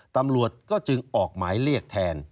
ตำรวจก็จึงออกหมายเรียกแทน